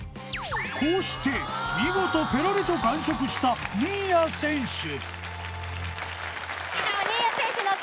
こうして見事ペロリと完食した新谷選手